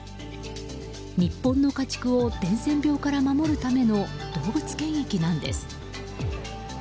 日本の家畜を伝染病から守るための動物検疫なんです。